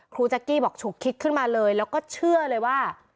แจ๊กกี้บอกฉุกคิดขึ้นมาเลยแล้วก็เชื่อเลยว่า